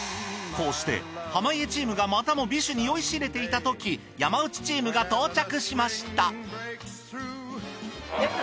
こうして濱家チームがまたも美酒に酔いしれていたとき山内チームが到着しました。